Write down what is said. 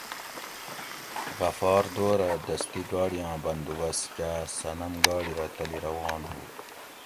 غفار دورآ دستی گاڑی آں بندوبست کا صنم گاڑی رہ تلی روان ھو